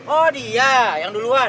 oh dia yang duluan